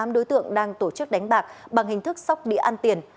tám đối tượng đang tổ chức đánh bạc bằng hình thức sóc địa ăn tiền